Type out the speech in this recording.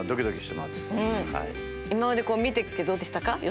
今まで見て来てどうでしたか？